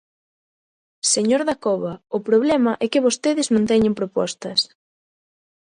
Señor Dacova, o problema é que vostedes non teñen propostas.